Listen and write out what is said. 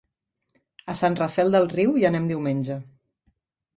A Sant Rafel del Riu hi anem diumenge.